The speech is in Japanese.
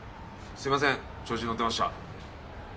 すみません調子に乗ってました。